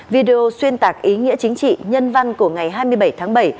video xuyên tạc ý nghĩa chính trị nhân văn của ngày hai mươi bảy tháng bảy